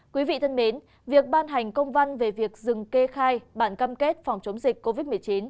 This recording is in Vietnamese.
quý vị thân mến việc ban hành công văn về việc dừng kê khai bản cam kết phòng chống dịch covid một mươi chín